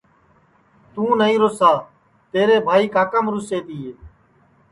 توں نائی روسا تیرے بھائی کاکام روسے تیے